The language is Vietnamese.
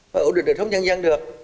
mới ủi tính đề thống nhân dân được